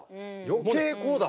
余計こうだわ。